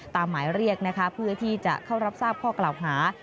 หมายเรียกนะคะเพื่อที่จะเข้ารับทราบข้อกล่าวหา